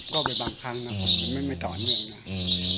ก็เป็นบางครั้งนะครับไม่ต่อเงินนะ